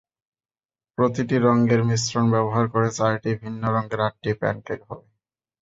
প্রতিটি রঙের মিশ্রণ ব্যবহার করে চারটি ভিন্ন রঙের আটটি প্যান কেক হবে।